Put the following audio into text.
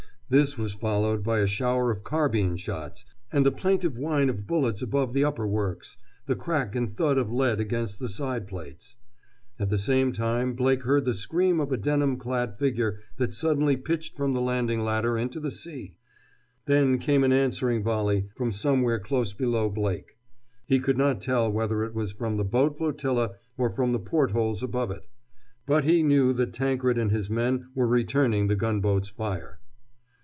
This was followed by a shower of carbine shots and the plaintive whine of bullets above the upperworks, the crack and thud of lead against the side plates. At the same time Blake heard the scream of a denim clad figure that suddenly pitched from the landing ladder into the sea. Then came an answering volley, from somewhere close below Blake. He could not tell whether it was from the boat flotilla or from the port holes above it. But he knew that Tankred and his men were returning the gunboat's fire.